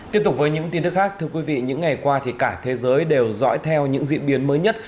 tiếp tục với những tin tức khác thưa quý vị những ngày qua thì cả thế giới đều dõi theo những diễn biến mới nhất